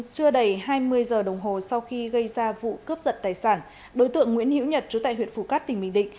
trưa đầy hai mươi giờ đồng hồ sau khi gây ra vụ cướp giật tài sản đối tượng nguyễn hiễu nhật trú tại huyện phù cát tỉnh bình định